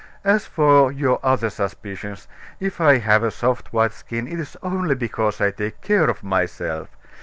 As for your other suspicions, if I have a soft white skin, it is only because I take care of myself.